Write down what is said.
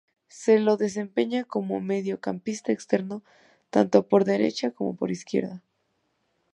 Se desempeña como mediocampista externo tanto por derecha como por izquierda.